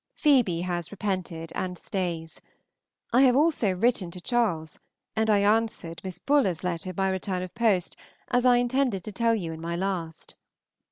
Phebe has repented, and stays. I have also written to Charles, and I answered Miss Buller's letter by return of post, as I intended to tell you in my last.